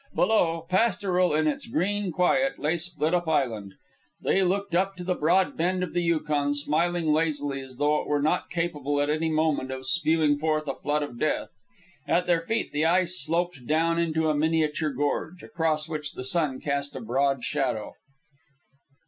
Below, pastoral in its green quiet, lay Split up Island. They looked up to the broad bend of the Yukon, smiling lazily, as though it were not capable at any moment of spewing forth a flood of death. At their feet the ice sloped down into a miniature gorge, across which the sun cast a broad shadow.